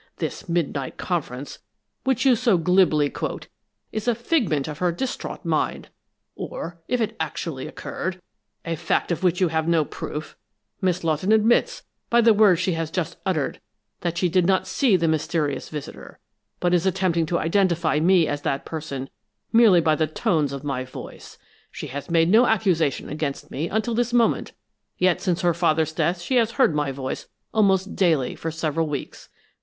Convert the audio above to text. This midnight conference, which you so glibly quote, is a figment of her distraught mind or, if it actually occurred (a fact of which you have no proof), Miss Lawton admits, by the words she has just uttered, that she did not see the mysterious visitor, but is attempting to identify me as that person merely by the tones of my voice. She has made no accusation against me until this moment, yet since her father's death she has heard my voice almost daily for several weeks.